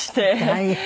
大変。